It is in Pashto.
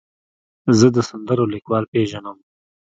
زه د سندرو لیکوال پیژنم.